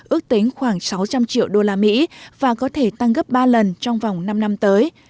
ước tính khoảng sáu trăm linh triệu đô la mỹ và có thể tăng gấp ba lần trong vòng năm năm tới